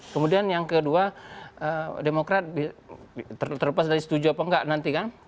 kemudian yang kedua demokrat terlepas dari setuju apa enggak nanti kan